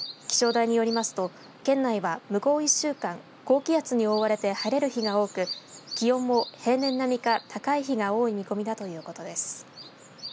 気象台によりますと県内は、向こう１週間高気圧に覆われて晴れる日が多く気温も平年並みか、高い日が多い見込みだということです。